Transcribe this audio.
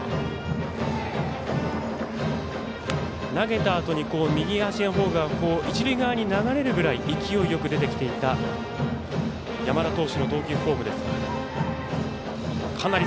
投げたあと一塁側に流れるくらい勢いよく出てきていた山田投手の投球フォームです。